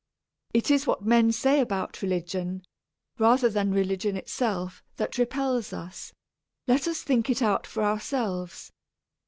It is what men say about religion, rather than religion itself, that repels us. Let us think it out for ourselves.